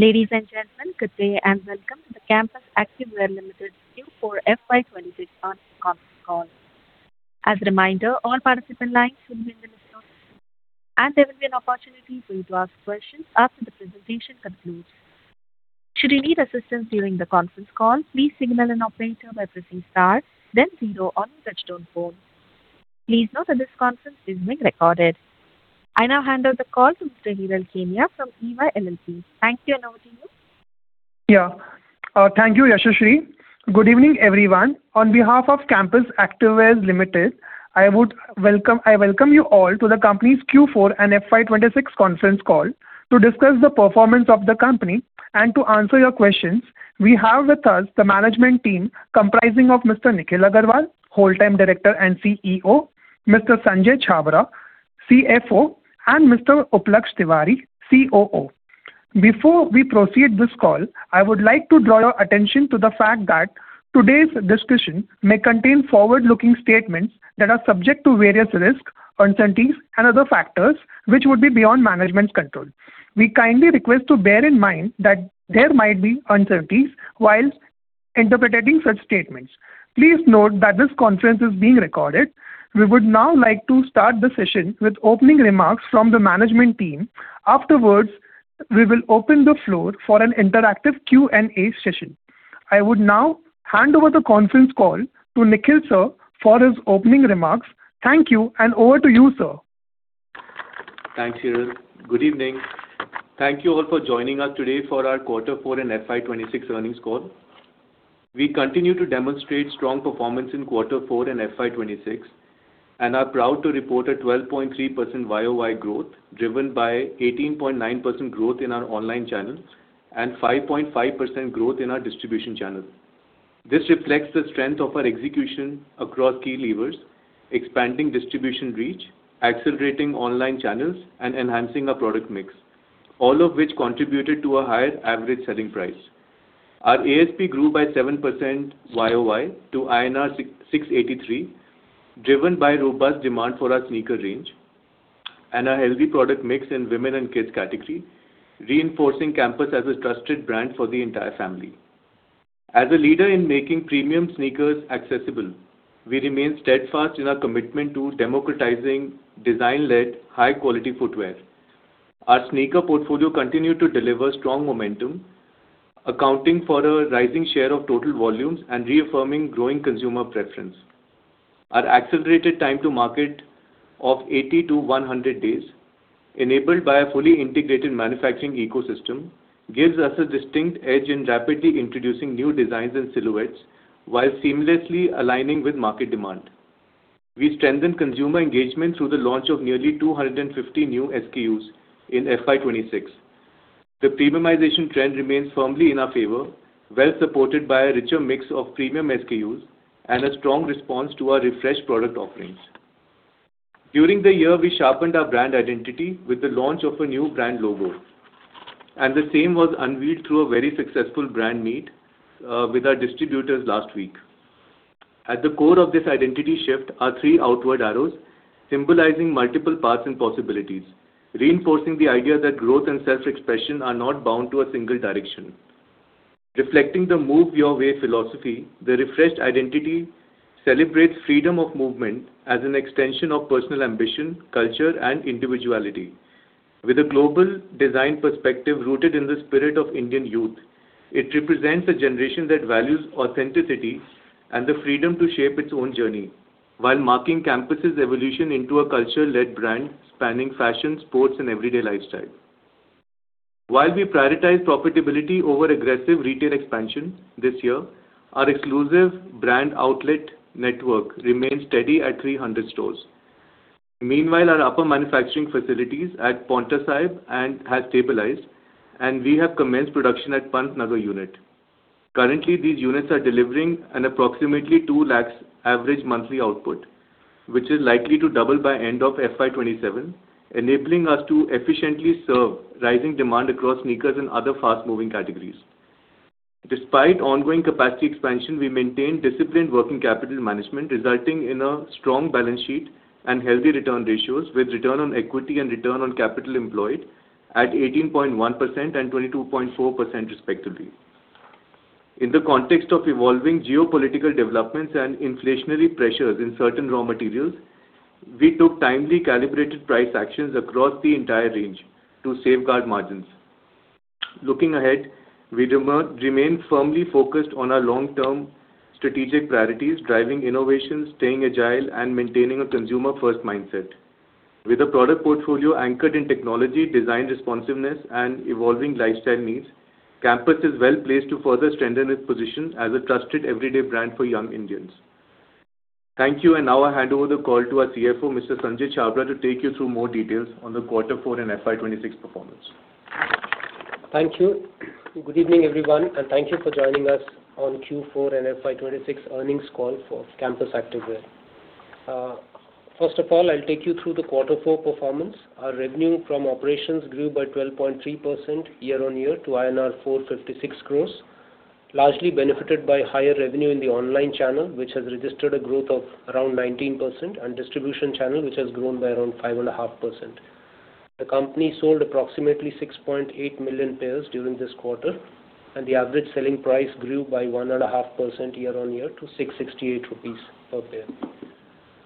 Ladies and gentlemen, good day and welcome to the Campus Activewear Limited Q4 FY 2026 earnings conference call. As a reminder, all participant lines will be listened on. There will be an opportunity for you to ask questions after the presentation concludes. Should you need assistance during the conference call, please signal an operator by pressing star, then zero on your touchtone phone. Please note that this conference is being recorded. I now hand over the conference to Hiral Keniya from EY LLP. Thank you and over to you. Thank you, Yashaswi. Good evening, everyone. On behalf of Campus Activewear Limited, I welcome you all to the company's Q4 and FY 2026 conference call to discuss the performance of the company and to answer your questions. We have with us the management team comprising Mr. Nikhil Aggarwal, Whole Time Director and CEO, Mr. Sanjay Chhabra, CFO, and Mr. Uplaksh Tewary, COO. Before we proceed this call, I would like to draw your attention to the fact that today's discussion may contain forward-looking statements that are subject to various risks, uncertainties, and other factors which would be beyond management control. We kindly request to bear in mind that there might be uncertainties whilst interpreting such statements. Please note that this conference is being recorded. We would now like to start the session with opening remarks from the management team. Afterwards, we will open the floor for an interactive Q&A session. I would now hand over the conference call to Nikhil sir for his opening remarks. Thank you. Over to you, sir. Thanks, Hiral. Good evening. Thank you all for joining us today for our quarter four and FY 2026 earnings call. We continue to demonstrate strong performance in quarter four and FY 2026 and are proud to report a 12.3% YoY growth driven by 18.9% growth in our online channels and 5.5% growth in our distribution channels. This reflects the strength of our execution across key levers, expanding distribution reach, accelerating online channels, and enhancing our product mix, all of which contributed to a higher average selling price. Our ASP grew by 7% year-over-year to INR 683, driven by robust demand for our sneaker range and a healthy product mix in women and kids category, reinforcing Campus as a trusted brand for the entire family. As a leader in making premium sneakers accessible, we remain steadfast in our commitment to democratizing design-led, high-quality footwear. Our sneaker portfolio continued to deliver strong momentum, accounting for a rising share of total volumes and reaffirming growing consumer preference. Our accelerated time to market of 80-100 days, enabled by a fully integrated manufacturing ecosystem, gives us a distinct edge in rapidly introducing new designs and silhouettes while seamlessly aligning with market demand. We strengthened consumer engagement through the launch of nearly 250 new SKUs in FY 2026. The premiumization trend remains firmly in our favor, well supported by a richer mix of premium SKUs and a strong response to our refreshed product offerings. During the year, we sharpened our brand identity with the launch of a new brand logo, and the same was unveiled through a very successful brand meet with our distributors last week. At the core of this identity shift are three outward arrows symbolizing multiple paths and possibilities, reinforcing the idea that growth and self-expression are not bound to a single direction. Reflecting the Move Your Way philosophy, the refreshed identity celebrates freedom of movement as an extension of personal ambition, culture, and individuality. With a global design perspective rooted in the spirit of Indian youth, it represents a generation that values authenticity and the freedom to shape its own journey while marking Campus' evolution into a culture-led brand spanning fashion, sports, and everyday lifestyle. While we prioritize profitability over aggressive retail expansion this year, our exclusive brand outlet network remains steady at 300 stores. Meanwhile, our upper manufacturing facilities at Paonta Sahib have stabilized, and we have commenced production at Pantnagar unit. Currently, these units are delivering an approximately 200,000 average monthly output, which is likely to double by end of FY 2027, enabling us to efficiently serve rising demand across sneakers and other fast-moving categories. Despite ongoing capacity expansion, we maintain disciplined working capital management, resulting in a strong balance sheet and healthy return ratios with return on equity and return on capital employed at 18.1% and 22.4% respectively. In the context of evolving geopolitical developments and inflationary pressures in certain raw materials, we took timely calibrated price actions across the entire range to safeguard margins. Looking ahead, we remain firmly focused on our long-term strategic priorities, driving innovation, staying agile, and maintaining a consumer-first mindset. With a product portfolio anchored in technology, design responsiveness, and evolving lifestyle needs, Campus is well-placed to further strengthen its position as a trusted everyday brand for young Indians. Thank you, and now I hand over the call to our CFO, Mr. Sanjay Chhabra, to take you through more details on the quarter four and FY 2026 performance. Thank you. Good evening, everyone, and thank you for joining us on Q4 and FY 2026 earnings call for Campus Activewear. First of all, I'll take you through the quarter four performance. Our revenue from operations grew by 12.3% year-on-year to INR 456 crore. Largely benefited by higher revenue in the online channel, which has registered a growth of around 19%, and distribution channel, which has grown by around 5.5%. The company sold approximately 6.8 million pairs during this quarter, and the average selling price grew by 1.5% year-on-year to 668 rupees per pair.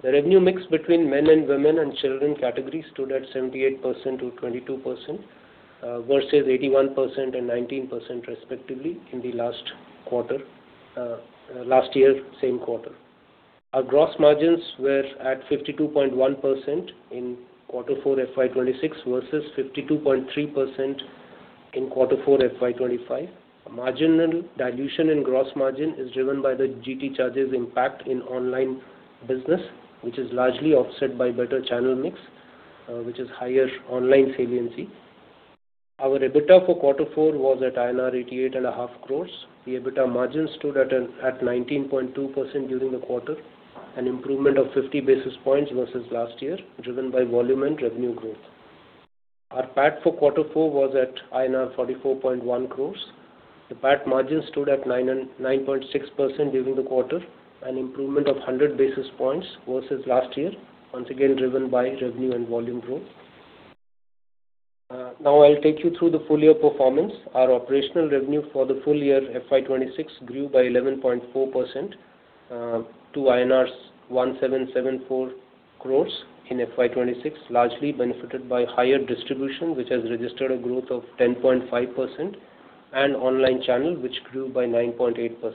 The revenue mix between men and women and children categories stood at 78% to 22% versus 81% and 19% respectively in the last year, same quarter. Our gross margins were at 52.1% in quarter four FY 2026 versus 52.3% in quarter four FY 2025. Marginal dilution in gross margin is driven by the GT charges impact in online business, which is largely offset by better channel mix, which is higher online saliency. Our EBITDA for quarter four was at INR 88.5 crore. The EBITDA margin stood at 19.2% during the quarter, an improvement of 50 basis points versus last year, driven by volume and revenue growth. Our PAT for quarter four was at INR 44.1 crore. The PAT margin stood at 9.6% during the quarter, an improvement of 100 basis points versus last year, once again driven by revenue and volume growth. I'll take you through the full-year performance. Our operational revenue for the full-year FY 2026 grew by 11.4% to INR 1,774 crore in FY 2026, largely benefited by higher distribution, which has registered a growth of 10.5%, and online channel, which grew by 9.8%.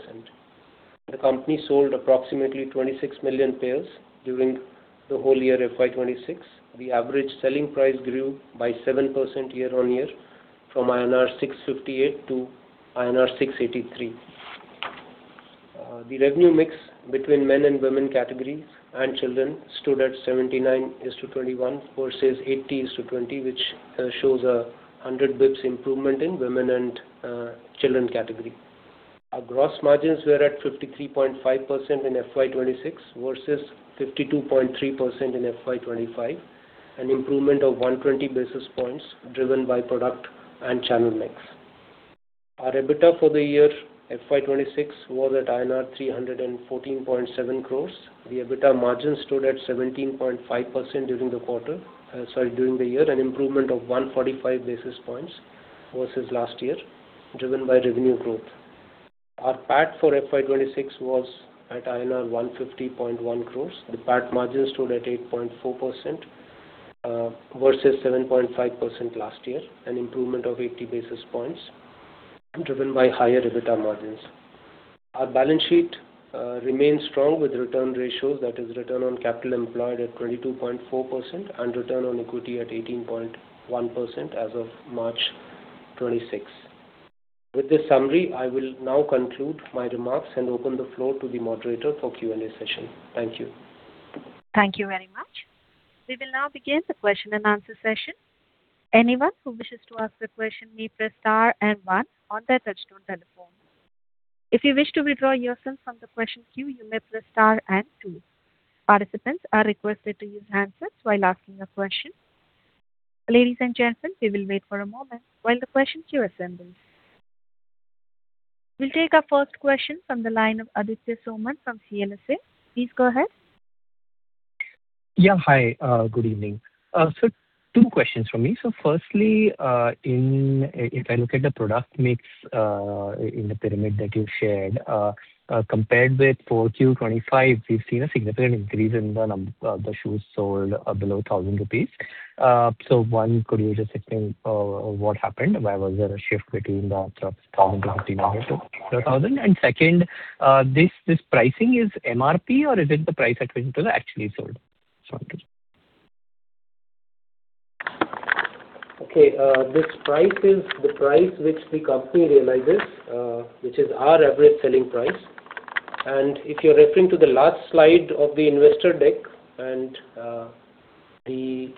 The company sold approximately 26 million pairs during the whole year FY 2026. The average selling price grew by 7% year-on-year from INR 658 to INR 683. The revenue mix between men and women categories and children stood at 79% is to 21% versus 80% is to 20%, which shows a 100 basis points improvement in women and children category. Our gross margins were at 53.5% in FY 2026 versus 52.3% in FY 2025, an improvement of 120 basis points driven by product and channel mix. Our EBITDA for the year FY 2026 was at INR 314.7 crore. The EBITDA margin stood at 17.5% during the year, an improvement of 145 basis points versus last year, driven by revenue growth. Our PAT for FY 2026 was at INR 150.1 crore. The PAT margin stood at 8.4% versus 7.5% last year, an improvement of 80 basis points driven by higher EBITDA margins. Our balance sheet remains strong with return ratios that is return on capital employed at 22.4% and return on equity at 18.1% as of March 2026. With this summary, I will now conclude my remarks and open the floor to the moderator for Q&A session. Thank you. Thank you very much. We will now begin the question-and-answer session. Anyone who wishes to ask a question may press star and one on their touch-tone telephone. If you wish to withdraw yourself from the question queue, you may press star and two. Participants are requested to use handsets while asking a question. Ladies and gentlemen, we will wait for a moment while the question queue assembles. We'll take our first question from the line of Aditya Soman from CLSA. Please go ahead. Yeah. Hi, good evening. Two questions from me. Firstly, if I look at the product mix in the pyramid that you shared compared with Q4 2025, we've seen a significant increase in the number of the shoes sold below 1,000 rupees. One, could you just explain what happened and why was there a shift between the 1,000 and second, this pricing is MRP or is it the price at which it was actually sold? Sorry. Okay. This price is the price which the company realizes, which is our average selling price. If you're referring to the last slide of the investor deck and the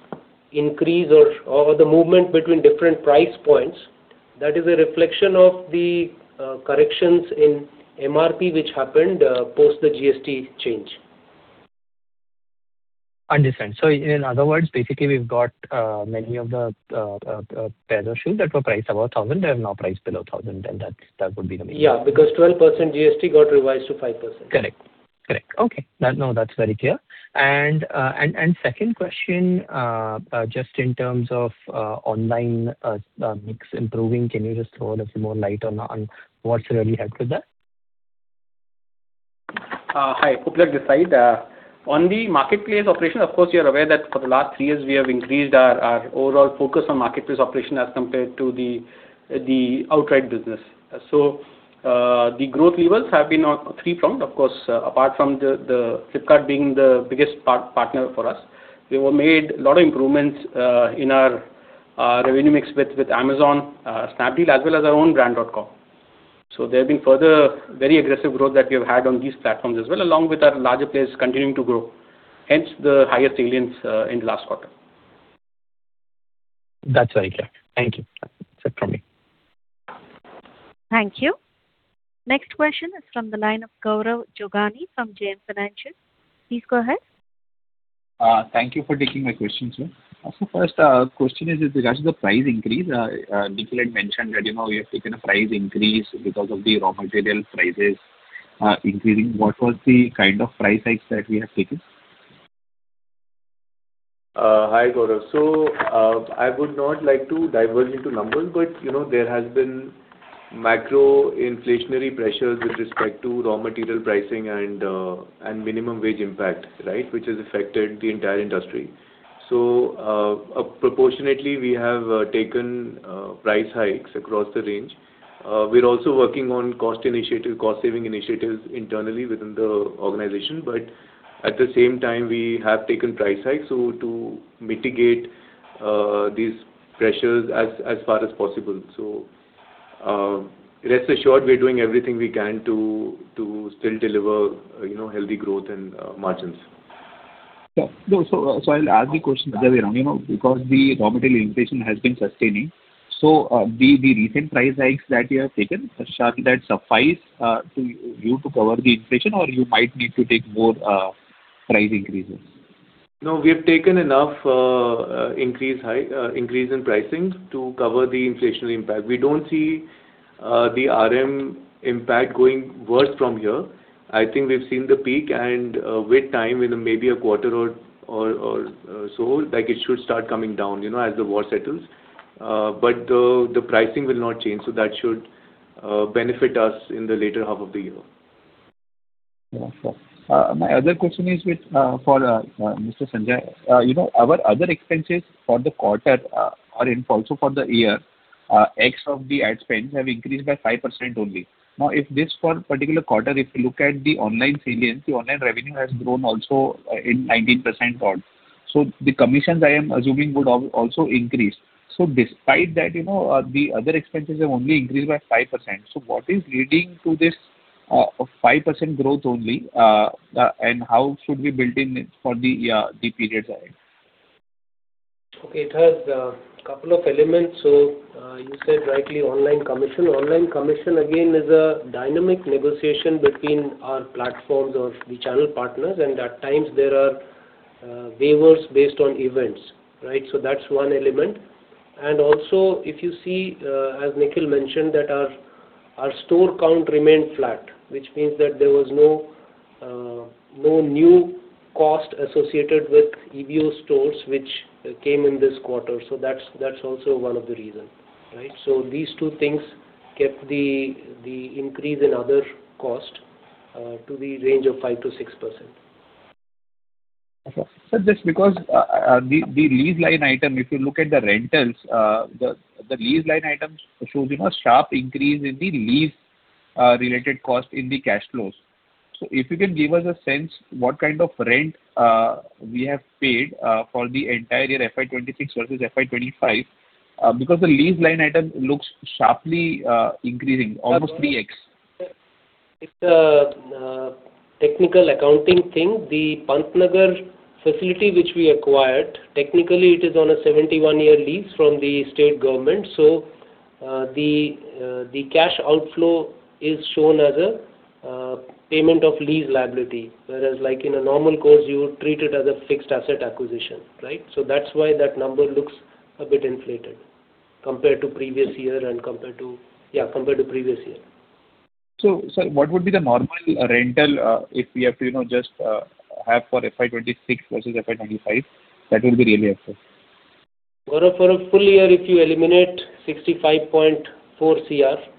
increase or the movement between different price points, that is a reflection of the corrections in MRP which happened post the GST change. Understand. In other words, basically we've got many of the pairs of shoes that were priced above 1,000, they are now priced below 1,000. Yeah, 12% GST got revised to 5%. Correct. Okay. No, that's very clear. Second question, just in terms of online mix improving, can you just throw a little more light on what's really helped with that? Hi, Uplaksh this side. On the marketplace operation, of course, you're aware that for the last few years we have increased our overall focus on marketplace operation as compared to the outright business. The growth levers have been on three front, of course, apart from Flipkart being the biggest partner for us. We have made a lot of improvements in our revenue mix with Amazon, Snapdeal as well as our own brand.com. There's been further very aggressive growth that we've had on these platforms as well along with our larger players continuing to grow, hence the highest salience in the last quarter. That's very clear. Thank you. Thank you. Next question is from the line of Gaurav Jogani from JM Financial. Please go ahead. Thank you for taking my question, sir. First, question is regards to the price increase. Nikhil had mentioned that you have taken a price increase because of the raw material prices increasing. What was the kind of price hikes that we have taken? Hi, Gaurav. I would not like to diverge into numbers, but there has been macro inflationary pressures with respect to raw material pricing and minimum wage impact, which has affected the entire industry. Proportionately, we have taken price hikes across the range. We're also working on cost saving initiatives internally within the organization, but at the same time, we have taken price hikes, so to mitigate these pressures as far as possible. Rest assured, we're doing everything we can to still deliver healthy growth and margins. No. I'll ask the question some other way. Because the raw material inflation has been sustaining, so the recent price hikes that you have taken, will that suffice to you to cover the inflation or you might need to take more price increases? No, we've taken enough increase in pricing to cover the inflationary impact. We don't see the RM impact going worse from here. I think we've seen the peak, and with time, in maybe a quarter or so, it should start coming down, as the war settles. The pricing will not change, so that should benefit us in the later half of the year. Yeah. My other question is for Mr. Sanjay. Our other expenses for the quarter and also for the year, X of the ad spends have increased by 5% only. If this for particular quarter, if you look at the online sales, the online revenue has grown also in 19% odd. The commissions, I am assuming, would also increase. Despite that, the other expenses have only increased by 5%. What is leading to this 5% growth only, and how should we build in it for the period ahead? Okay. It has a couple of elements. You said rightly, online commission. Online commission, again, is a dynamic negotiation between our platforms or the channel partners, and at times there are waivers based on events. That's one element. Also, if you see, as Nikhil mentioned, that our store count remained flat, which means that there was no new cost associated with EBO stores which came in this quarter. That's also one of the reason. These two things kept the increase in other cost to the range of 5%-6%. The lease line item, if you look at the rentals, the lease line items showing a sharp increase in the lease related cost in the cash flows. If you can give us a sense what kind of rent we have paid for the entire year FY 2026 versus FY 2025, because the lease line item looks sharply increasing, almost 3x. It's a technical accounting thing. The Pantnagar facility which we acquired, technically it is on a 71-year lease from the state government. The cash outflow is shown as a payment of lease liability, whereas like in a normal course, you would treat it as a fixed asset acquisition. That's why that number looks a bit inflated compared to previous year. What would be the normal rental if we have to just have for FY 2026 versus FY 2025 that will be really helpful. Gaurav, for a full year, if you eliminate 65.4 crore,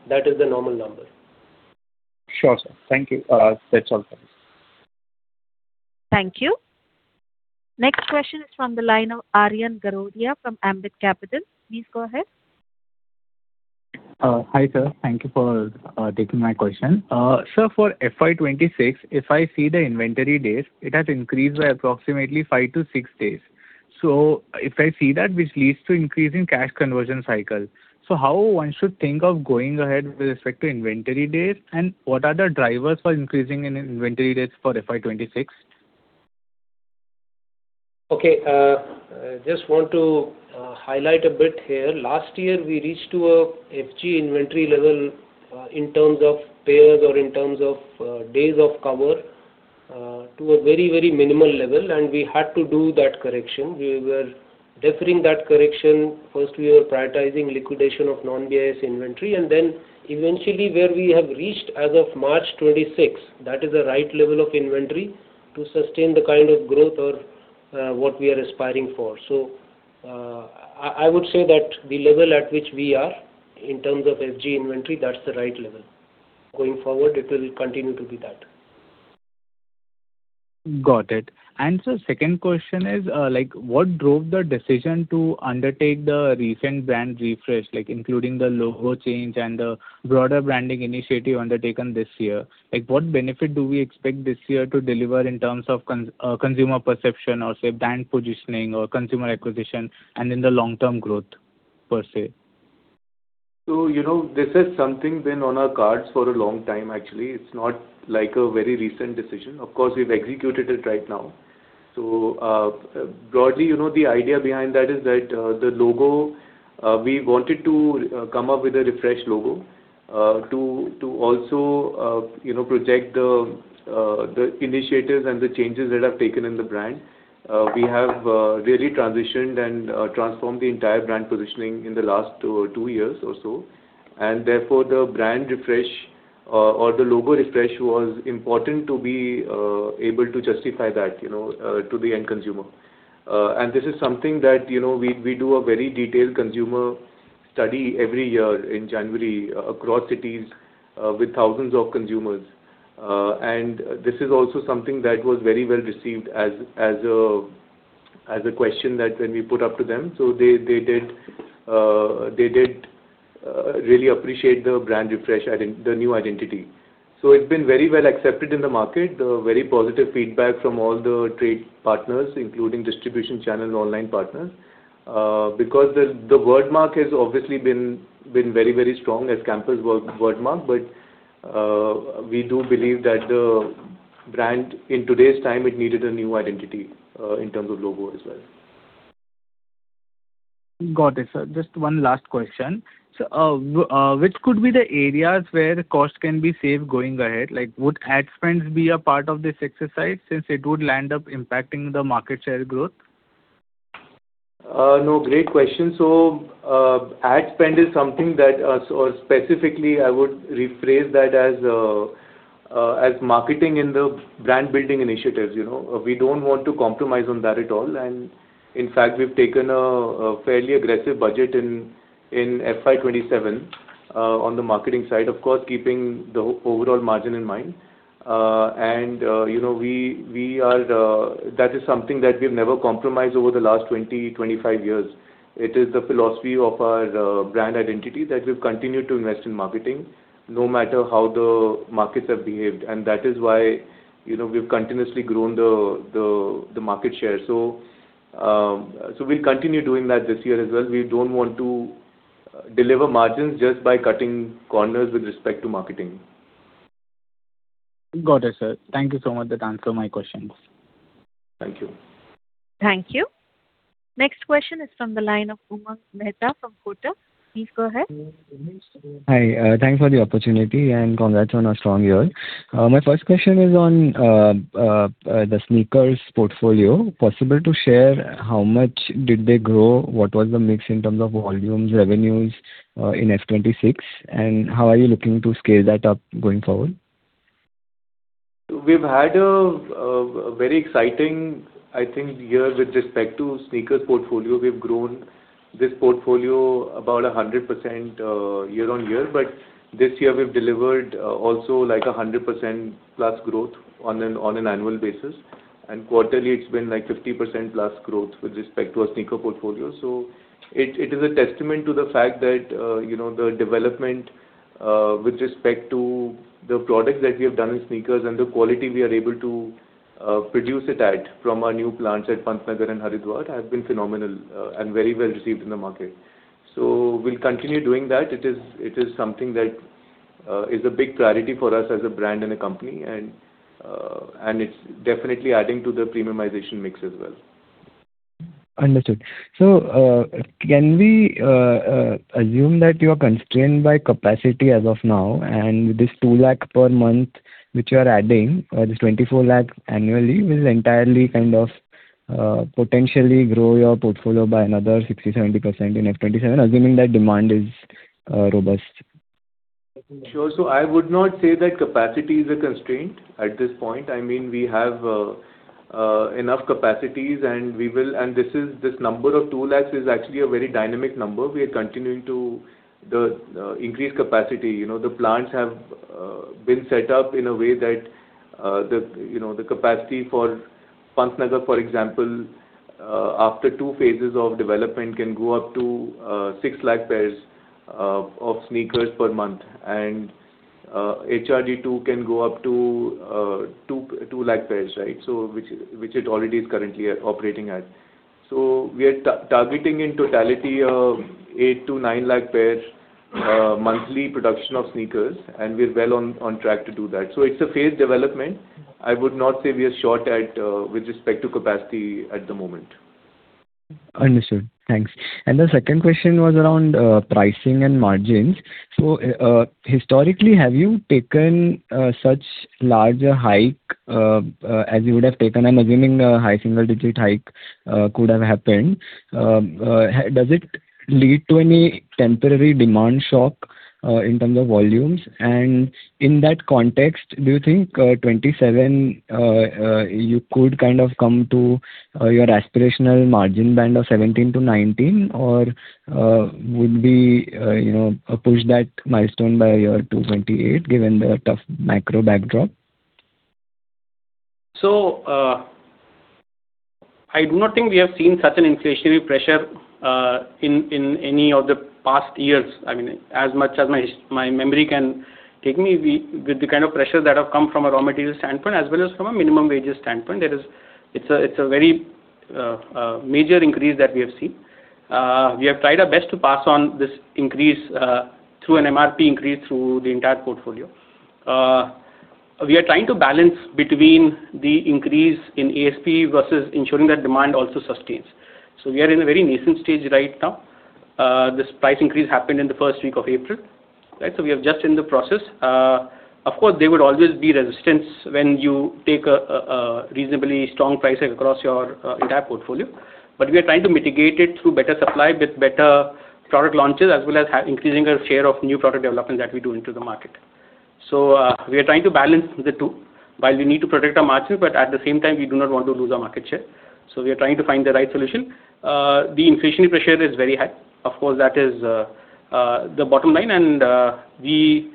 that is the normal number. Sure, sir. Thank you. That's all for me. Thank you. Next question is from the line of Aryan Garodia from Ambit Capital. Please go ahead. Hi, sir. Thank you for taking my question. Sir, for FY 2026, if I see the inventory days, it had increased by approximately five to six days. If I see that, which leads to increase in cash conversion cycle. How one should think of going ahead with respect to inventory days, and what are the drivers for increasing in inventory days for FY 2026? Okay. I just want to highlight a bit here. Last year, we reached to a FG inventory level in terms of pairs or in terms of days of cover, to a very minimal level. We had to do that correction. We were deferring that correction. First, we were prioritizing liquidation of non-GST inventory. Then eventually where we have reached as of March 26. That is the right level of inventory to sustain the kind of growth or what we are aspiring for. I would say that the level at which we are in terms of FG inventory, that's the right level. Going forward, it will continue to be that. Got it. Sir, second question is what drove the decision to undertake the recent brand refresh, including the logo change and the broader branding initiative undertaken this year? What benefit do we expect this year to deliver in terms of consumer perception or, say, brand positioning or consumer acquisition and in the long-term growth per se? This is something been on our cards for a long time, actually. It's not like a very recent decision. Of course, we've executed it right now. Broadly, the idea behind that is that the logo, we wanted to come up with a refreshed logo to also project the initiatives and the changes that have taken in the brand. We have really transitioned and transformed the entire brand positioning in the last two years or so. Therefore, the brand refresh or the logo refresh was important to be able to justify that to the end consumer. This is something that we do a very detailed consumer study every year in January across cities with thousands of consumers. This is also something that was very well received as a question that when we put up to them. They did really appreciate the brand refresh, I think, the new identity. It's been very well accepted in the market, very positive feedback from all the trade partners, including distribution channel and online partners. The wordmark has obviously been very strong as Campus wordmark. We do believe that the brand in today's time, it needed a new identity, in terms of logo as well. Got it, sir. Just one last question. Which could be the areas where the cost can be saved going ahead? Would ad spends be a part of this exercise since it would land up impacting the market share growth? No, great question. Ad spend is something that, or specifically I would rephrase that as marketing in the brand-building initiatives. We don't want to compromise on that at all, and in fact, we've taken a fairly aggressive budget in FY 2027 on the marketing side, of course, keeping the overall margin in mind. And that is something that we've never compromised over the last 20, 25 years. It is the philosophy of our brand identity that we've continued to invest in marketing no matter how the markets have behaved. And that is why we've continuously grown the market share. So, we'll continue doing that this year as well. We don't want to deliver margins just by cutting corners with respect to marketing. Got it, sir. Thank you so much. That answered my questions. Thank you. Thank you. Next question is from the line of Umang Mehta from Kotak. Please go ahead. Hi, thanks for the opportunity and congrats on a strong year. My first question is on the sneakers portfolio. Possible to share how much did they grow, what was the mix in terms of volumes, revenues in FY 2026, and how are you looking to scale that up going forward? We've had a very exciting, I think, year with respect to sneakers portfolio. We've grown this portfolio about 100% year-on-year. This year we've delivered also 100%+ growth on an annual basis. Quarterly it's been 50%+ growth with respect to our sneaker portfolio. It is a testament to the fact that the development with respect to the products that we have done in sneakers and the quality we are able to produce it at from our new plants at Pantnagar and Haridwar have been phenomenal and very well received in the market. We'll continue doing that. It is something that is a big priority for us as a brand and a company, and it's definitely adding to the premiumization mix as well. Understood. can we assume that you're constrained by capacity as of now, and this 200,000 per month, which you are adding or this 2.4 million annually will entirely kind of potentially grow your portfolio by another 60%-70% in FY 2027, assuming that demand is robust? Sure. I would not say that capacity is a constraint at this point. We have enough capacities and this number of 200,000 is actually a very dynamic number. We are continuing to increase capacity. The plants have been set up in a way that the capacity for Pantnagar, for example, after two phases of development can go up to 600,000 pairs of sneakers per month and Haridwar can go up to 200,000 pairs. Which it already is currently operating at. We are targeting in totality a 800,000-900,000 pair monthly production of sneakers, and we're well on track to do that. It's a phased development. I would not say we are short with respect to capacity at the moment. Understood. Thanks. The second question was around pricing and margins. Historically, have you taken such larger hike as you would have taken, I'm assuming a high single-digit hike could have happened. Does it lead to any temporary demand shock in terms of volumes? In that context, do you think 2027 you could kind of come to your aspirational margin band of 17%-19%, or would we push that milestone by a year to 2028 given the tough macro backdrop? I do not think we have seen such an inflationary pressure in any of the past years. As much as my memory can take me, with the kind of pressures that have come from a raw material standpoint as well as from a minimum wages standpoint, it's a very major increase that we have seen. We have tried our best to pass on this increase through an MRP increase through the entire portfolio. We are trying to balance between the increase in ASP versus ensuring that demand also sustains. We are in a very nascent stage right now. This price increase happened in the first week of April. We are just in the process. Of course, there would always be resistance when you take a reasonably strong price hike across your entire portfolio. We are trying to mitigate it through better supply with better product launches, as well as increasing our share of new product development that we do into the market. We are trying to balance the two, while we need to protect our margin, but at the same time, we do not want to lose our market share. We are trying to find the right solution. The inflation pressure is very high. Of course, that is the bottom line, and we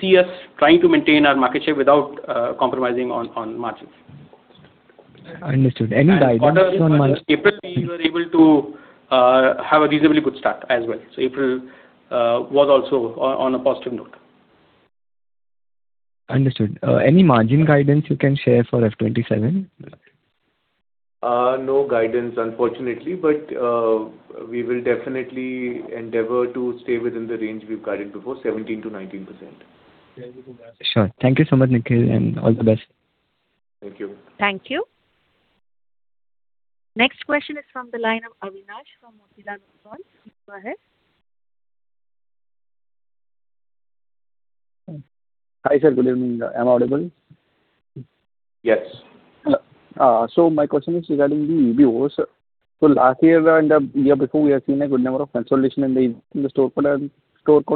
see us trying to maintain our market share without compromising on margins. Understood. April, we were able to have a reasonably good start as well. April was also on a positive note. Understood. Any margin guidance you can share for FY 2027? No guidance unfortunately. We will definitely endeavor to stay within the range we've guided before, 17%-19%. Sure. Thank you so much, Nikhil, and all the best. Thank you. Thank you. Next question is from the line of Avinash from Motilal Oswal. Go ahead. Hi, sir. Good evening. Am I audible? Yes. My question is regarding the EBOs. Last year and the year before, we have seen a good number of consolidation and the store count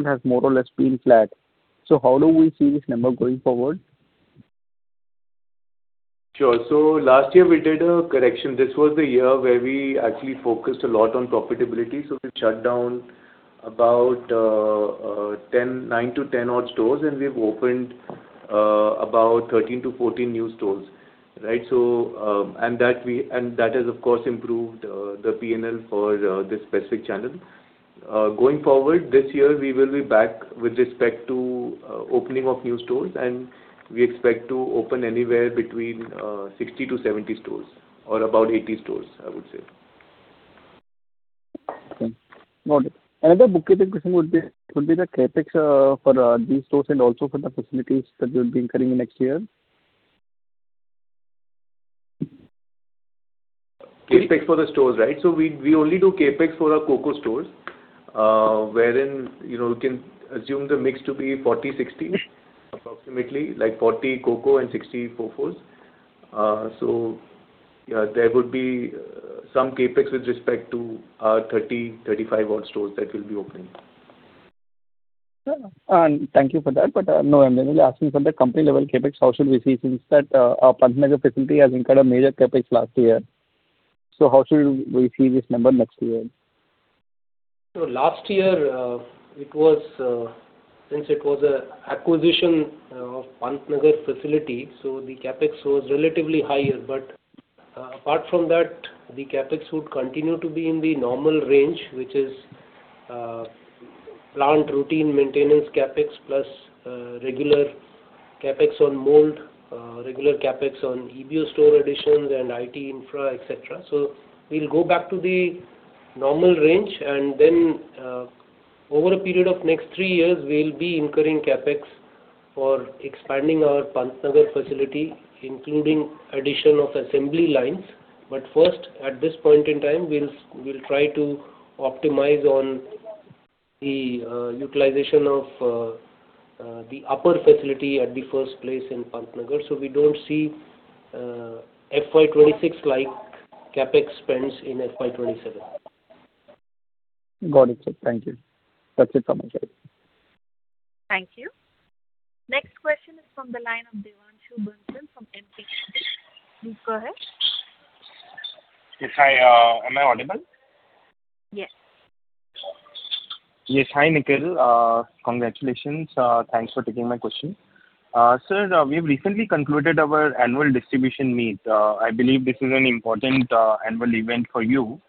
has more or less been flat. How do we see this number going forward? Sure. Last year we did a correction. This was the year where we actually focused a lot on profitability. We shut down about 9-10 odd stores, and we've opened about 13-14 new stores. That has, of course, improved the P&L for this specific channel. Going forward, this year we will be back with respect to opening of new stores, and we expect to open anywhere between 60-70 stores or about 80 stores, I would say. Got it. The book you think would be the CapEx for these stores and also for the facilities that you'll be incurring next year? CapEx for the stores, right? We only do CapEx for our COCO stores, wherein we can assume the mix to be 40/60, approximately, like 40 COCO and 60 FOFO. There would be some CapEx with respect to our 30-, 35-odd stores that will be opening. Sure. Thank you for that. No, I'm really asking for the company level CapEx, how should we see since that our Pantnagar facility has incurred a major CapEx last year. How should we see this number next year? Last year, since it was a acquisition of Pantnagar facility, so the CapEx was relatively higher. Apart from that, the CapEx would continue to be in the normal range, which is plant routine maintenance CapEx plus regular CapEx on mold, regular CapEx on EBO store additions and IT infra, et cetera. We'll go back to the normal range, and then over a period of next three years, we'll be incurring CapEx for expanding our Pantnagar facility, including addition of assembly lines. First, at this point in time, we'll try to optimize on the utilization of the upper facility at the first place in Pantnagar. We don't see FY 2026-like CapEx spends in FY 2027. Got it, sir. Thank you. That's it from my side. Thank you. Next question is from the line of Devanshu Bansal from Emkay Global. Please go ahead. Yes. Hi. Am I audible? Yes. Yes. Hi, Nikhil. Congratulations. Thanks for taking my question. Sir, we've recently concluded our annual distribution meet. I believe this is an important annual event for you.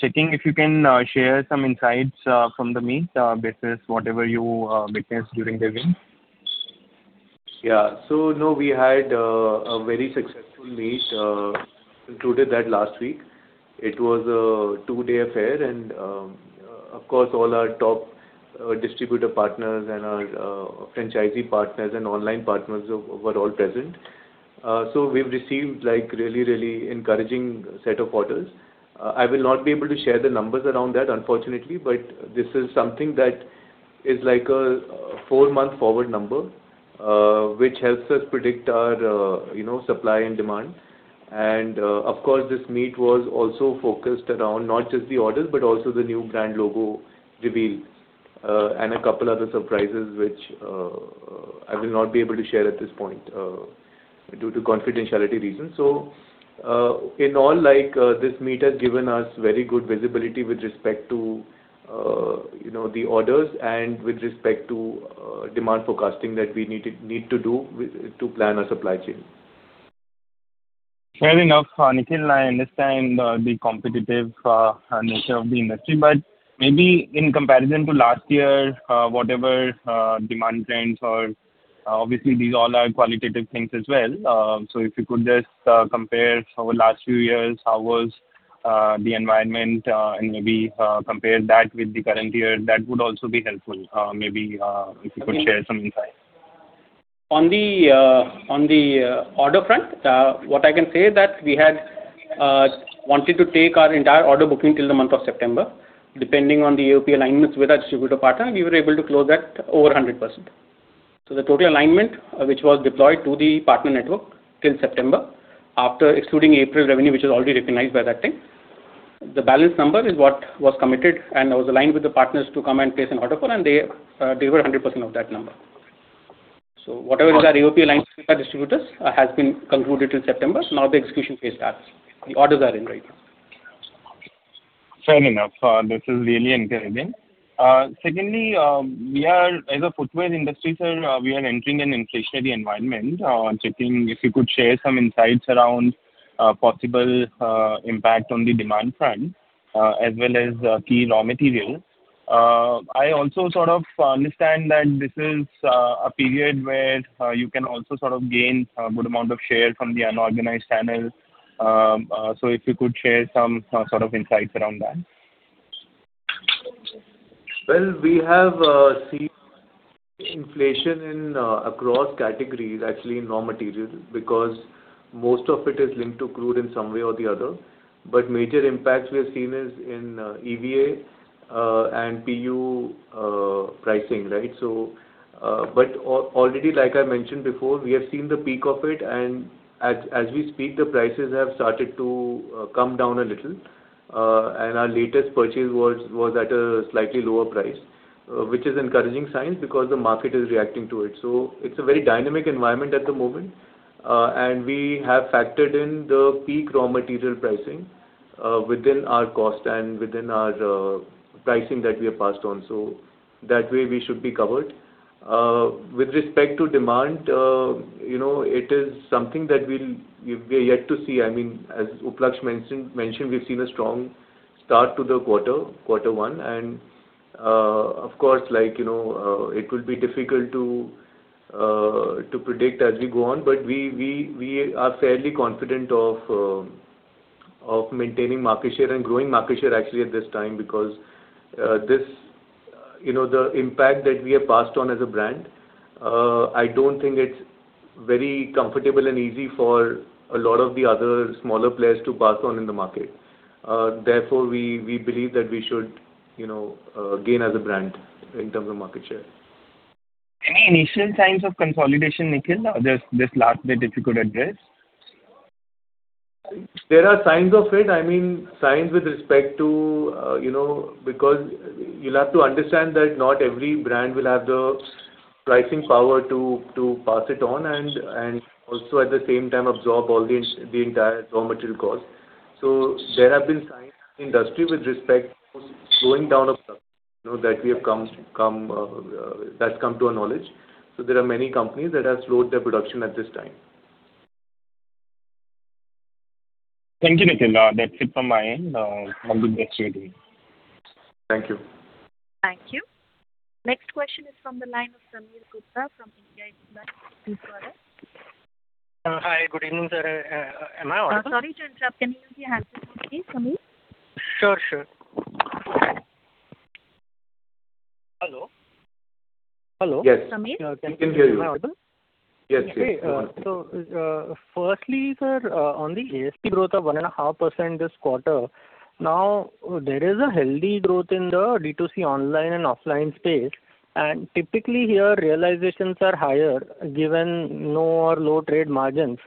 Checking if you can share some insights from the meet based on whatever you witnessed during the meet? Yeah. We had a very successful meet, concluded that last week. It was a two-day affair, and of course, all our top distributor partners and our franchisee partners and online partners were all present. We've received really encouraging set of orders. I will not be able to share the numbers around that, unfortunately, but this is something that is like a four-month forward number, which helps us predict our supply and demand. Of course, this meet was also focused around not just the orders, but also the new brand logo reveal, and a couple other surprises, which I will not be able to share at this point due to confidentiality reasons. In all, this meet has given us very good visibility with respect to the orders and with respect to demand forecasting that we need to do to plan our supply chain. Fair enough, Nikhil. I understand the competitive nature of the industry, but maybe in comparison to last year, whatever demand trends or obviously these all are qualitative things as well. If you could just compare over last few years, how was the environment and maybe compare that with the current year, that would also be helpful. Maybe if you could share some insights. On the order front, what I can say is that we had wanted to take our entire order booking till the month of September. Depending on the AOP alignments with our distributor partner, we were able to close that over 100%. The total alignment which was deployed to the partner network till September, after excluding April revenue, which was already recognized by that time, the balance number is what was committed and was aligned with the partners to come and place an order for, and they gave 100% of that number. Whatever the AOP alignments with our distributors has been concluded till September. Now the execution phase starts. The orders are in, right? Fair enough. That is really encouraging. Secondly, as a footwear industry, sir, we are entering an inflationary environment. I was checking if you could share some insights around possible impact on the demand front as well as key raw materials. I also sort of understand that this is a period where you can also sort of gain a good amount of share from the unorganized channels. If you could share some sort of insights around that. Well, we have seen inflation across categories, actually, in raw materials, because most of it is linked to crude in some way or the other. Major impacts we’re seeing is in EVA and PU pricing, right? Already, like I mentioned before, we have seen the peak of it, and as we speak, the prices have started to come down a little. Our latest purchase was at a slightly lower price, which is encouraging signs because the market is reacting to it. It’s a very dynamic environment at the moment, and we have factored in the peak raw material pricing within our cost and within our pricing that we have passed on. That way we should be covered. With respect to demand, it is something that we’re yet to see. As Uplaksh mentioned, we’ve seen a strong start to the quarter one, and of course, it could be difficult to predict as we go on, but we are fairly confident of maintaining market share and growing market share actually at this time, because the impact that we have passed on as a brand, I don’t think it’s very comfortable and easy for a lot of the other smaller players to pass on in the market. Therefore, we believe that we should gain as a brand in terms of market share. Any initial signs of consolidation, Nikhil, this last bit if you could address? There are signs of it. Because you’ll have to understand that not every brand will have the pricing power to pass it on and also at the same time absorb all the entire raw material cost. There have been signs in the industry with respect to slowing down of production that’s come to our knowledge. There are many companies that have slowed their production at this time. Thank you, Nikhil. That’s it from my end. Wishing the best to you again. Thank you. Thank you. Next question is from the line of Sameer Gupta from IIFL. Hi, good evening. Am I audible? Sorry to interrupt. Can you please unmute yourself, Sameer? Sure. Hello? Yes. Sameer? We can hear you. Am I audible? Yes, we can. Okay. Firstly, sir, on the ASP growth of 1.5% this quarter. There is a healthy growth in the D2C online and offline space, and typically here realizations are higher given no or low-trade margins.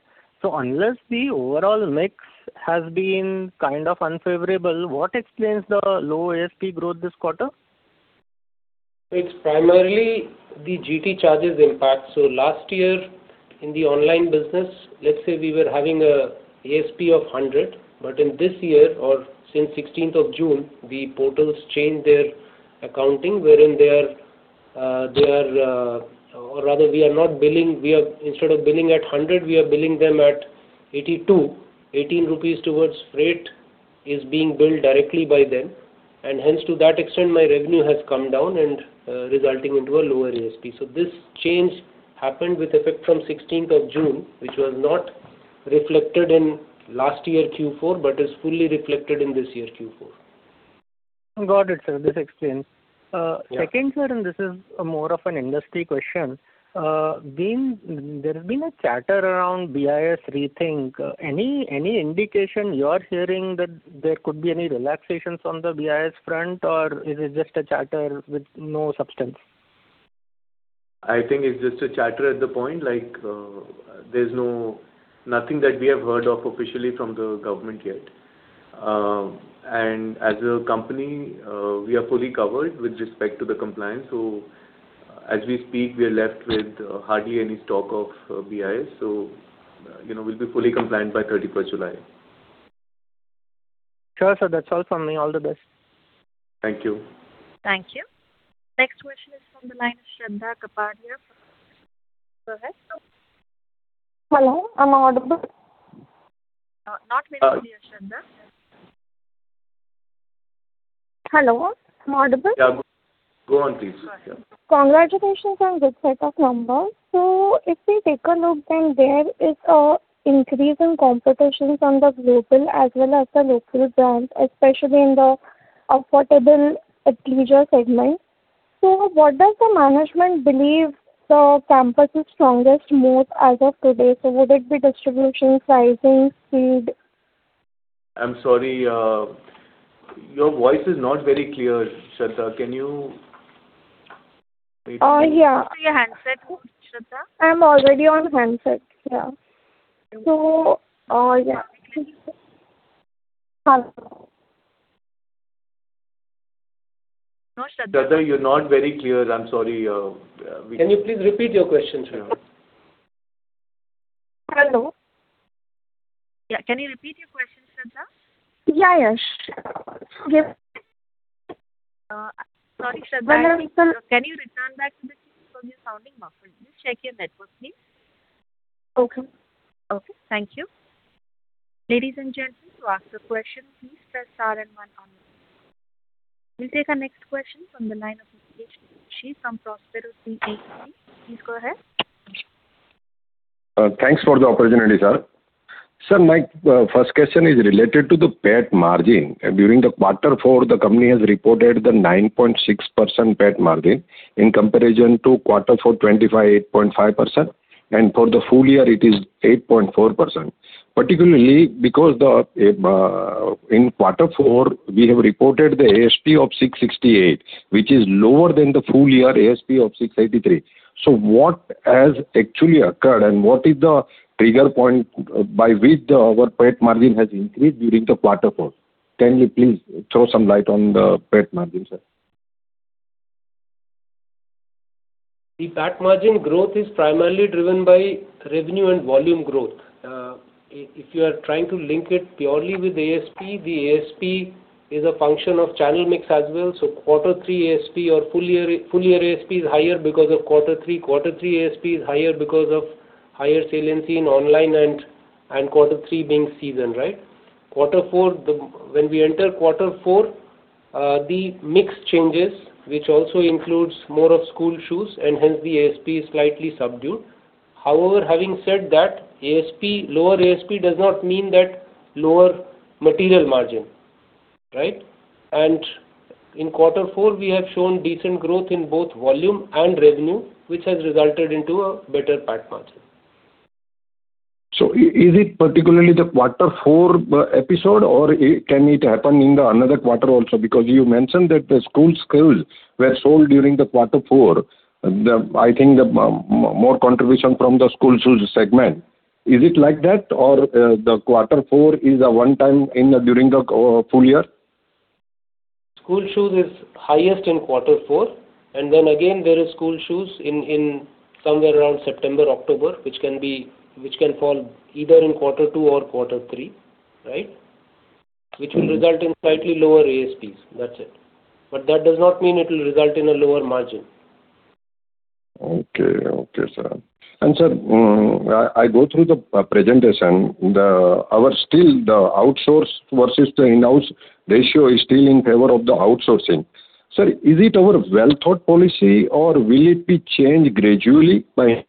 Unless the overall mix has been kind of unfavorable, what explains the low ASP growth this quarter? It’s primarily the GT charges impact. Last year in the online business, let’s say we were having an ASP of 100, but in this year or since 16th of June, the portals changed their accounting, wherein instead of billing at 100, we are billing them at 82. 18 rupees towards freight is being billed directly by them, and hence to that extent, my revenue has come down and resulting into a lower ASP. This change happened with effect from 16th of June, which was not reflected in last year Q4, but is fully reflected in this year’s Q4. Got it, sir. This explains. Yeah. Second, sir, this is more of an industry question. There’s been a chatter around BIS rethink. Any indication you are hearing that there could be any relaxations on the BIS front or is it just a chatter with no substance? I think it’s just a chatter at the point. There’s nothing that we have heard of officially from the government yet. As a company, we are fully covered with respect to the compliance. As we speak, we’re left with hardly any stock of BIS. We’ll be fully compliant by 31st July. Sure, sir. That's all from me. All the best. Thank you. Thank you. Next question is from the line of Shanta [Kaparya] from. [inaudible] Hello, am I audible? Not very clear, Shanta. Hello, am I audible?. Go on, Shanta. Congratulations on this set of numbers. If we take a look, there is an increase in competition from the global as well as the local brands, especially in the affordable leisure segment. What does the management believe the Campus' strongest moat as of today? Would it be distribution, sizing, speed? I'm sorry, your voice is not very clear, Shanta. Can you wait? Yeah. Go to your handset, Shanta. I'm already on handset. Yeah. Shanta, you're not very clear. I'm sorry. Can you please repeat your question? Hello. Yeah. Can you repeat your question, Shanta? Yeah. Sorry, Shanta. Can you return back from your current location? Check your network, please. Okay. Okay. Thank you. Ladies and gentlemen, to ask a question, please press star and one on your key. We take the next question from the line of Hitesh [inaudible] from. [inaudible] Please go ahead. Thanks for the opportunity, sir. Sir, my first question is related to the PAT margin. During the quarter four, the company has reported the 9.6% PAT margin in comparison to quarter four 25.5%, and for the full year it is 8.4%. Particularly because in quarter four, we have reported the ASP of 668, which is lower than the full-year ASP of 683. What has actually occurred and what is the trigger point by which our PAT margin has increased during the quarter four? Can you please throw some light on the PAT margin, sir? The PAT margin growth is primarily driven by revenue and volume growth. If you are trying to link it purely with ASP, the ASP is a function of channel mix as well. Quarter three ASP or full-year ASP is higher because of quarter three. Quarter three ASP is higher because of higher saliency in online and quarter three being season right. When we enter quarter four the mix changes, which also includes more of school shoes and hence the ASP is slightly subdued. Having said that, lower ASP does not mean that lower material margin, right? In quarter four, we have shown decent growth in both volume and revenue, which has resulted into a better PAT margin. Is it particularly the quarter four episode or can it happen in another quarter also? Because you mentioned that the school shoes were sold during the quarter four. I think more contribution from the school shoes segment. Is it like that or the quarter four is a one time during the full year? School shoes is highest in quarter four and then again there is school shoes somewhere around September, October, which can fall either in quarter two or quarter three. Right? Which will result in slightly lower ASPs. That's it. That does not mean it will result in a lower margin. Okay, sir. Sir, I go through the presentation. Our outsourced versus the in-house ratio is still in favor of the outsourcing. Sir, is it our well-thought policy or will it be changed gradually by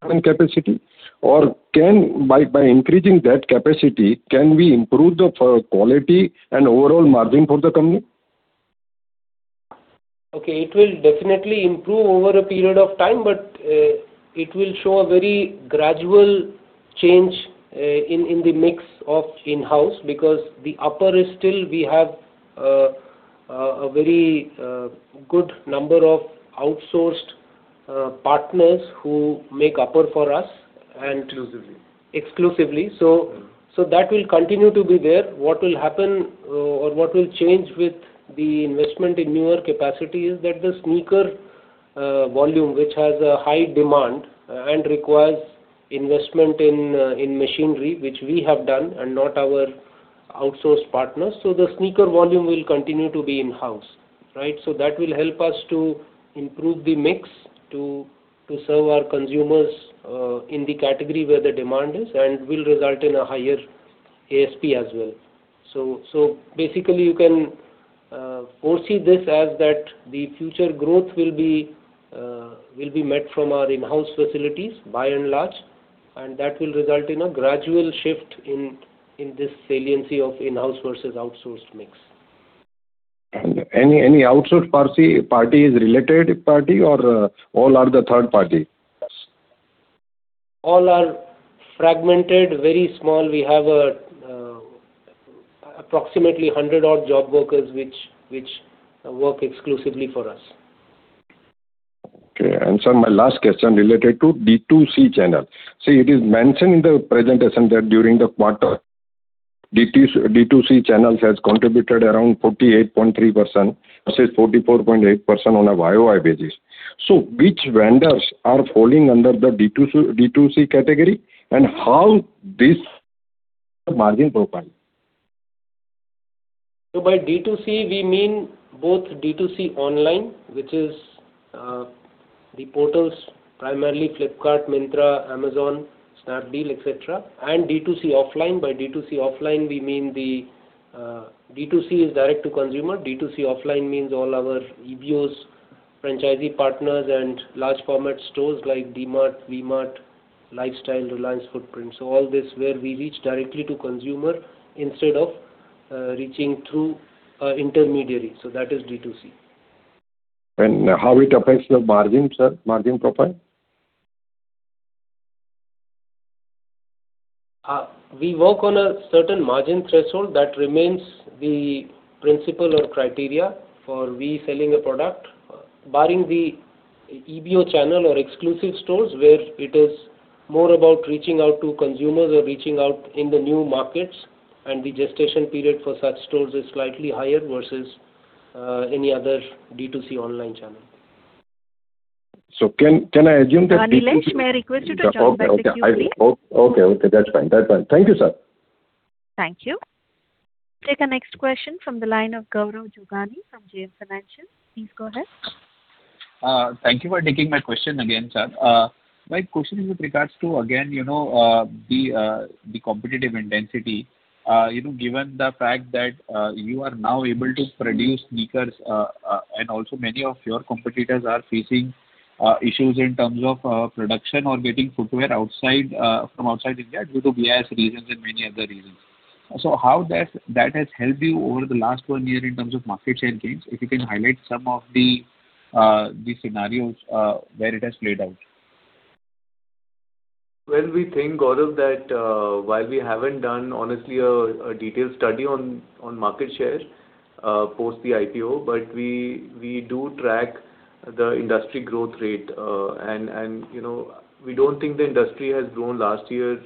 having capacity? By increasing that capacity, can we improve the quality and overall margin for the company? Okay. It will definitely improve over a period of time, but it will show a very gradual change in the mix of in-house because the upper is still we have a very good number of outsourced partners who make upper for us. Exclusively. Exclusively. That will continue to be there. What will happen or what will change with the investment in newer capacity is that the sneaker volume, which has a high demand and requires investment in machinery, which we have done and not our outsourced partners. The sneaker volume will continue to be in-house. That will help us to improve the mix to serve our consumers in the category where the demand is and will result in a higher ASP as well. Basically, you can foresee this as that the future growth will be met from our in-house facilities by and large, and that will result in a gradual shift in this saliency of in-house versus outsourced mix. Any outsourced party is related party or all are the third party? All are fragmented, very small. We have approximately 100-odd job workers which work exclusively for us. Okay. My last question related to D2C channel. See, it is mentioned in the presentation that during the quarter D2C channels has contributed around 48.3% say 44.8% on a YoY basis. Which vendors are falling under the D2C category and how this margin profile? By D2C we mean both D2C online, which is the portals, primarily Flipkart, Myntra, Amazon, Snapdeal, et cetera, and D2C offline. By D2C offline, we mean the D2C is direct to consumer. D2C offline means all our EBOs, franchisee partners, and large format stores like DMart, V-Mart, Lifestyle, Reliance Footprint. All this where we reach directly to consumer instead of reaching through intermediaries. That is D2C. How it affects your margin, sir, margin profile? We work on a certain margin threshold that remains the principle or criteria for us selling a product, barring the EBO channel or exclusive stores, where it is more about reaching out to consumers or reaching out in the new markets, and the gestation period for such stores is slightly higher versus any other D2C online channel. Can I assume? May I request you to join back the queue, please? Okay. That's fine. Thank you, sir. Thank you. We'll take the next question from the line of Gaurav Jogani from JM Financial. Please go ahead. Thank you for taking my question again, sir. My question is with regards to, again, the competitive intensity. Given the fact that you are now able to produce sneakers, and also many of your competitors are facing issues in terms of production or getting footwear from outside India due to raw materials and many other reasons. How that has helped you over the last one year in terms of market share gains? If you can highlight some of the scenarios where it has played out. We think, Gaurav, that while we haven't done honestly a detailed study on market share post the IPO, we do track the industry growth rate. We don't think the industry has grown last year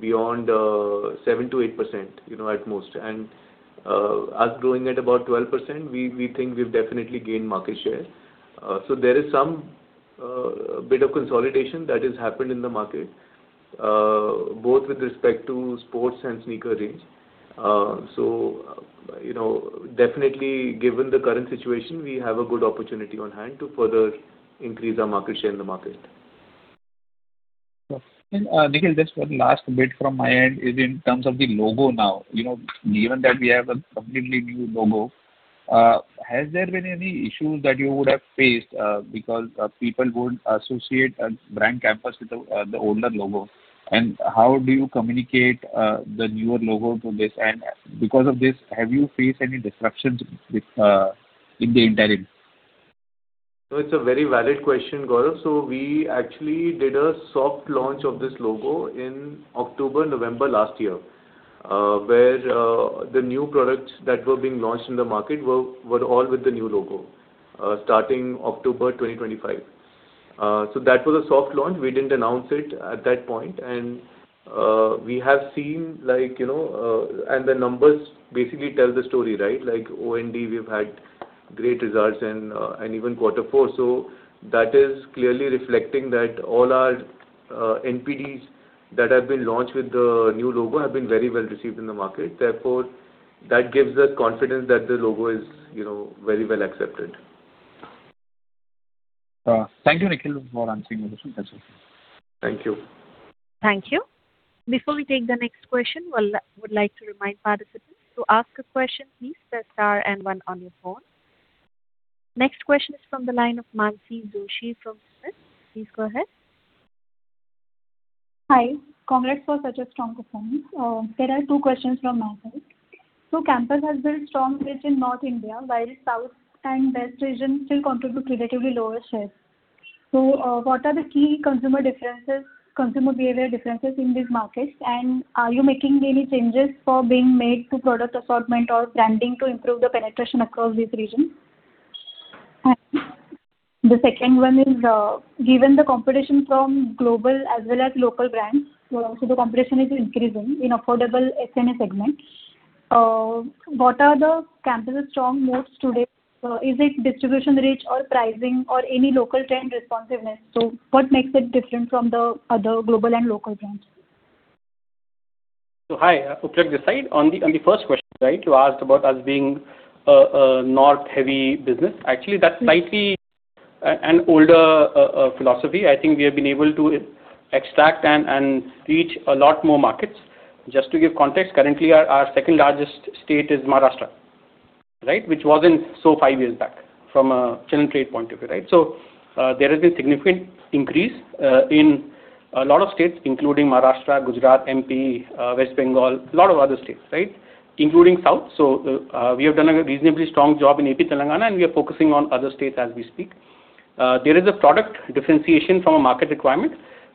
beyond 7%-8%, at most. Us growing at about 12%, we think we've definitely gained market share. There is some bit of consolidation that has happened in the market, both with respect to sports and sneaker range. Definitely given the current situation, we have a good opportunity on hand to further increase our market share in the market. Nikhil, just one last bit from my end is in terms of the logo now. Given that we have a completely new logo, has there been any issues that you would have faced because people would associate brand Campus with the older logo? How do you communicate the newer logo for this? Because of this, have you faced any disruptions in the internals? It's a very valid question, Gaurav. We actually did a soft launch of this logo in October, November last year, where the new products that were being launched in the market were all with the new logo, starting October 2025. That was a soft launch. We didn't announce it at that point. The numbers basically tell the story, right? Like R&D, we've had great results and even quarter four. That is clearly reflecting that all our NPDs that have been launched with the new logo have been very well received in the market. Therefore, that gives us confidence that the logo is very well accepted. Thank you, Nikhil, for answering the question. Thank you. Thank you. Before we take the next question, I would like to remind participants to ask a question, please press star and one on your phone. Next question is from the line of Manasi Joshi from SMIFS. Please go ahead. Hi. Congrats for such a strong performance. There are two questions from my side. Campus has built strong reach in North India, while South and West regions still contribute relatively lower sales. What are the key consumer behavior differences in this market? Are you making any changes for being made to product assortment or planning to improve the penetration across this region? The second one is, given the competition from global as well as local brands, the competition is increasing in affordable SN segment. What are the Campus' strong moats today? Is it distribution reach or pricing or any local trend responsiveness? What makes it different from the other global and local brands? Hi, Uplaksh on this side. On the first question, you asked about us being a North-heavy business. Actually, that's slightly an older philosophy. I think we have been able to extract and reach a lot more markets. Just to give context, currently our second largest state is Maharashtra, which wasn't so five years back from a channel trade point of view. There has been significant increase in a lot of states, including Maharashtra, Gujarat, MP, West Bengal, a lot of other states, including South. We have done a reasonably strong job in AP Telangana, and we are focusing on other states as we speak. There is a product differentiation from a market requirement.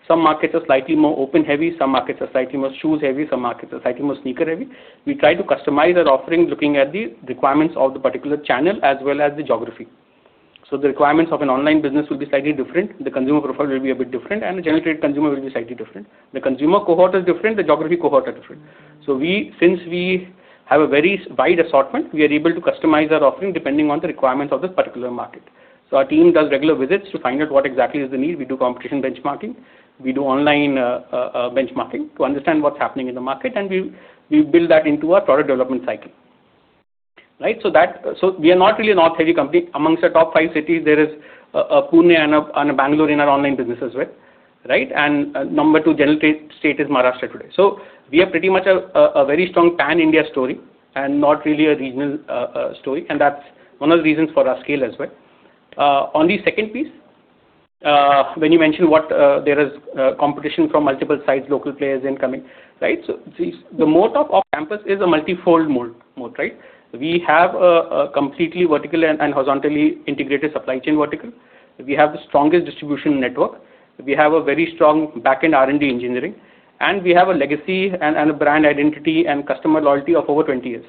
Some markets are slightly more open heavy, some markets are slightly more shoes heavy, some markets are slightly more sneaker heavy. We try to customize our offering looking at the requirements of the particular channel as well as the geography. The requirements of an online business will be slightly different. The consumer profile will be a bit different, and the general trade consumer will be slightly different. The consumer cohort is different, the geography cohort are different. Since we have a very wide assortment, we are able to customize our offering depending on the requirements of this particular market. Our team does regular visits to find out what exactly is the need. We do competition benchmarking. We do online benchmarking to understand what's happening in the market, and we build that into our product development cycle. Right. We are not really a north-heavy company. Amongst our top five cities, there is Pune and Bangalore in our online business as well. Number 2 generating state is Maharashtra today. We are pretty much a very strong pan-India story and not really a regional story, and that's one of the reasons for our scale as well. On the second piece, when you mentioned there is competition from multiple sides, local players incoming. The moat of our Campus is a multifold moat. We have a completely vertical and horizontally integrated supply chain vertical. We have the strongest distribution network. We have a very strong back-end R&D engineering, and we have a legacy and a brand identity and customer loyalty of over 20 years.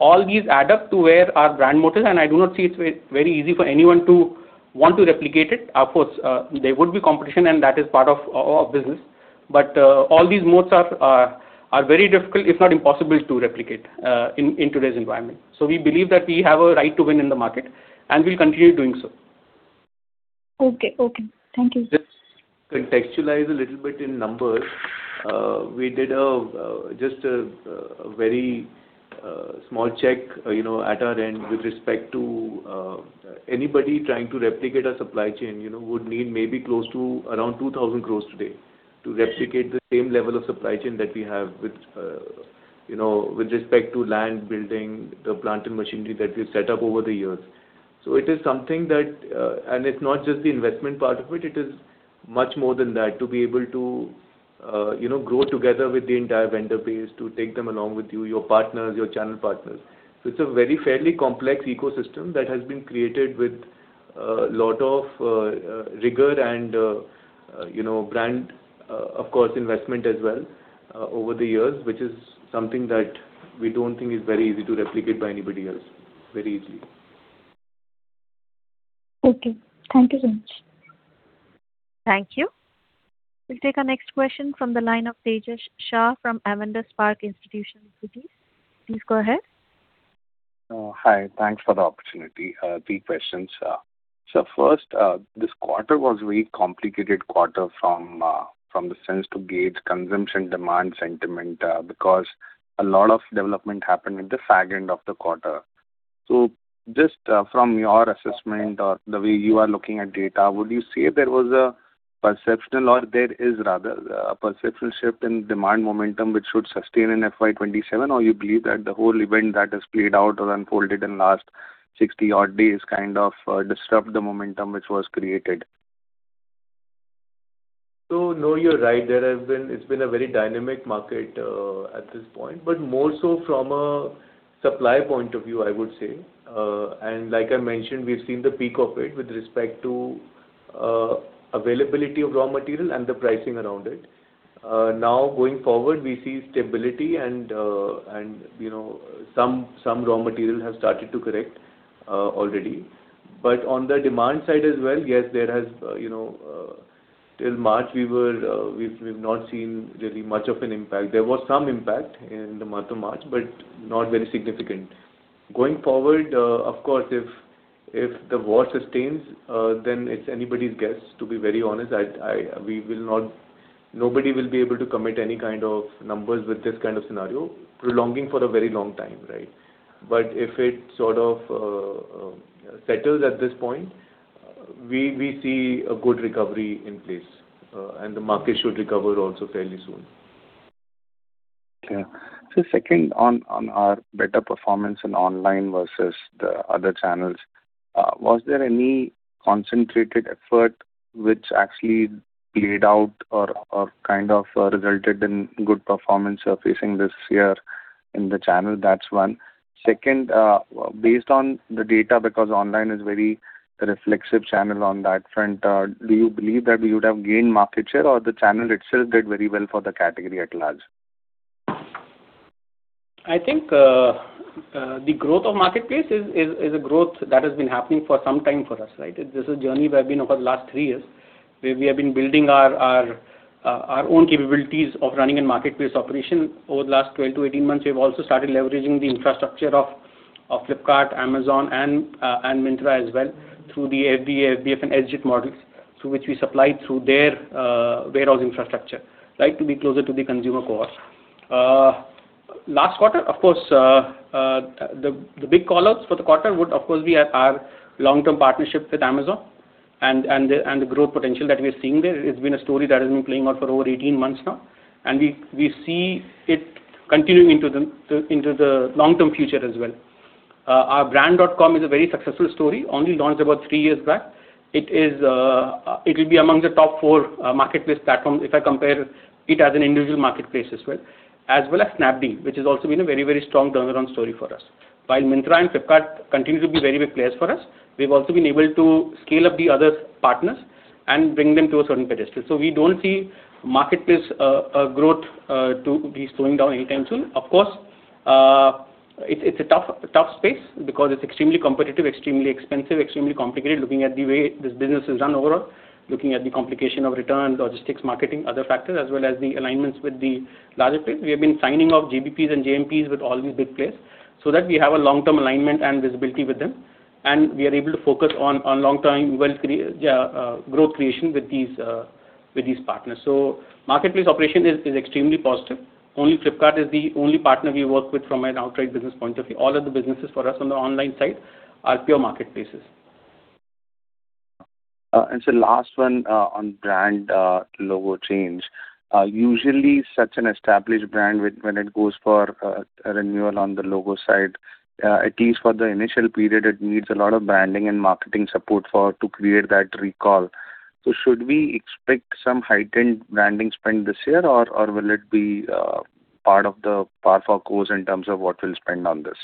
All these add up to where our brand moat is, and I do not see it's very easy for anyone to want to replicate it. Of course, there would be competition, and that is part of our business. All these moats are very difficult, if not impossible, to replicate in today's environment. We believe that we have a right to win in the market, and we'll continue doing so. Okay. Thank you. Just to contextualize a little bit in numbers. We did just a very small check at our end with respect to anybody trying to replicate our supply chain would need maybe close to around 2,000 crore today to replicate the same level of supply chain that we have with respect to land, building, the plant and machinery that we've set up over the years. It's not just the investment part of it is much more than that to be able to grow together with the entire vendor base, to take them along with you, your partners, your channel partners. It's a very fairly complex ecosystem that has been created with a lot of rigor and brand, of course, investment as well over the years, which is something that we don't think is very easy to replicate by anybody else very easily. Okay. Thank you very much. Thank you. We'll take our next question from the line of Tejas Shah from Avendus Spark Institutional Equities. Please go ahead. Hi. Thanks for the opportunity. Three questions. First, this quarter was a very complicated quarter from the sense to gauge consumption demand sentiment because a lot of development happened at the far end of the quarter. Just from your assessment or the way you are looking at data, would you say there was a perception or there is rather a perception shift in demand momentum which should sustain in FY 2027, or you believe that the whole event that has played out or unfolded in the last 60-odd days kind of disturbed the momentum which was created? No, you're right. It's been a very dynamic market at this point, but more so from a supply point of view, I would say. Like I mentioned, we've seen the peak of it with respect to availability of raw material and the pricing around it. Now going forward, we see stability and some raw material has started to correct already. On the demand side as well, yes, till March, we've not seen really much of an impact. There was some impact in the month of March, but not very significant. Going forward, of course, if the war sustains, then it's anybody's guess, to be very honest. Nobody will be able to commit any kind of numbers with this kind of scenario prolonging for a very long time. If it sort of settles at this point, we see a good recovery in place, and the market should recover also fairly soon. Second, on our better performance in online versus the other channels, was there any concentrated effort which actually played out or kind of resulted in good performance you are facing this year in the channel? That's one. Second, based on the data, because online is a very reflexive channel on that front, do you believe that we would have gained market share or the channel itself did very well for the category at large? I think the growth of marketplace is a growth that has been happening for some time for us. This is a journey we've been on for the last three years, where we have been building our own capabilities of running a marketplace operation. Over the last 12-18 months, we've also started leveraging the infrastructure of Flipkart, Amazon, and Myntra as well through the FBA, FBS, and LGAT models through which we supply through their warehouse infrastructure to be closer to the consumer, of course. Last quarter, of course, the big call-outs for the quarter would, of course, be our long-term partnership with Amazon and the growth potential that we're seeing there. It's been a story that has been playing out for over 18 months now, and we see it continuing into the long-term future as well. Our brand.com is a very successful story. Only launched about three years back. It will be among the top four marketplace platforms if I compare it as an individual marketplace as well, as well as Snapdeal, which is also been a very strong turnaround story for us. While Myntra and Flipkart continue to be very big players for us, we've also been able to scale up the other partners and bring them to a certain threshold. We don't see marketplace growth to be slowing down anytime soon. Of course, it's a tough space because it's extremely competitive, extremely expensive, extremely complicated, looking at the way this business is done overall, looking at the complication of returns, logistics, marketing, other factors, as well as the alignments with the larger space. We have been signing off JBPs and JMPs with all these big players so that we have a long-term alignment and visibility with them, and we are able to focus on long-term growth creation with these partners. Marketplace operation is extremely positive. Only Flipkart is the only partner we work with from an outright business point of view. All other businesses for us on the online side are pure marketplaces. Last one on brand logo change. Usually such an established brand when it goes for a renewal on the logo side, at least for the initial period, it needs a lot of branding and marketing support for it to create that recall. Should we expect some heightened branding spend this year or will it be part of the par for course in terms of what we'll spend on this?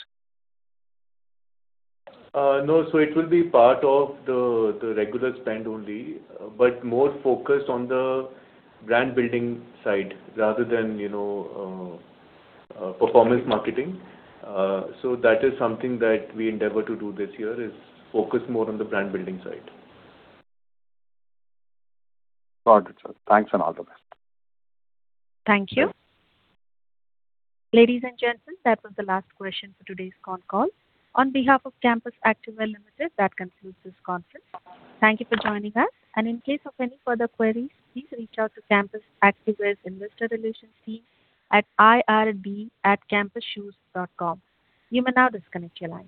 It will be part of the regular spend only, but more focused on the brand building side rather than performance marketing. That is something that we endeavor to do this year, is focus more on the brand building side. Got it, sir. Thanks a lot. Thank you. Ladies and gentlemen, that was the last question for today's call. On behalf of Campus Activewear Limited, that concludes this conference. Thank you for joining us. In case of any further queries, please reach out to Campus Activewear's investor relations team at ird@campusshoes.com. You may now disconnect your lines.